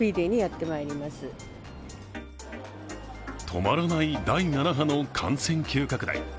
止まらない第７波の感染急拡大。